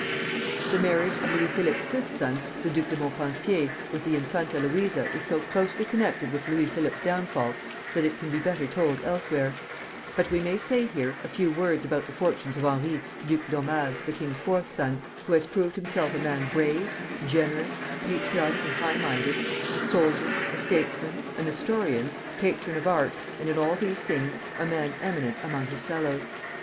The marriage of Louis Philippe's fifth son, the Duc de Montpensier, with the Infanta Luisa is so closely connected with Louis Philippe's downfall that it can be better told elsewhere; but we may here say a few words about the fortunes of Henri, Duc d'Aumale, the king's fourth son, who has proved himself a man brave, generous, patriotic and high minded, a soldier, a statesman, an historian, patron of art, and in all these things a man eminent among his fellows.